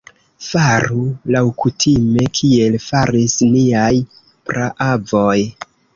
Faru laŭkutime, kiel faris niaj praavoj!